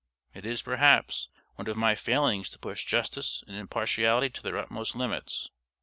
It is, perhaps, one of my failings to push justice and impartiality to their utmost limits.